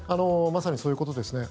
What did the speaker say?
まさにそういうことですね。